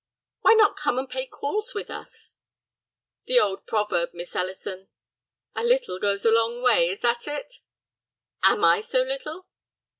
"Why not come and pay calls with us?" "The old proverb, Miss Ellison." "A little goes a long way, is that it?" "Am I so little?"